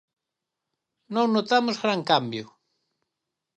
Non notamos gran cambio.